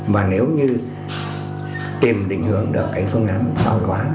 và nếu như tìm định hưởng được phương án xã hội hóa